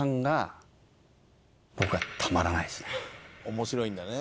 面白いんだね。